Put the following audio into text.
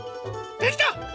できた！